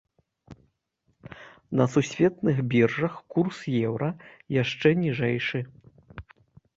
На сусветных біржах курс еўра яшчэ ніжэйшы.